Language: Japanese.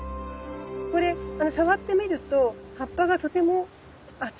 これ触ってみると葉っぱがとても厚い？